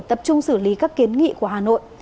tập trung xử lý các kiến nghị của hà nội